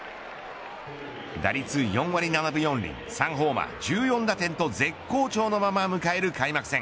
打率４割７分４厘３ホーマー１４打点と絶好調のまま迎える開幕戦。